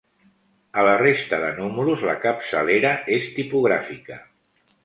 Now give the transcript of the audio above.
A la resta de números la capçalera és tipogràfica.